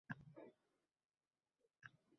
vositalardan foydalanadigan muxolifat tushuniladi.